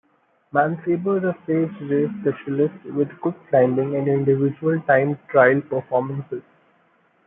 Mancebo is a stage race specialist, with good climbing and individual time trial performances.